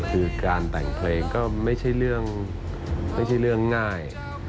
คือการแต่งเพลงก็ไม่ใช่เรื่องง่าย